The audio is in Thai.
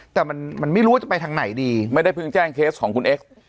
แต่มันไม่รู้ว่าจะไปทางไหนดีไม่ได้เพิ่งแจ้งเคสของคุณเอ็กซ์